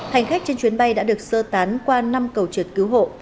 hành khách trên chuyến bay đã được sơ tán qua năm cầu trượt cứu hộ